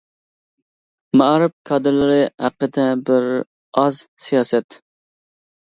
مائارىپ كادىرلىرى ھەققىدە بىر ئاز سىياسەت.